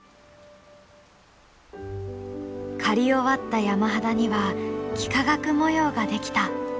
刈り終わった山肌には幾何学模様が出来た。